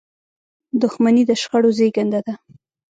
• دښمني د شخړو زیږنده ده.